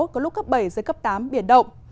có lúc cấp bảy giới cấp tám biển động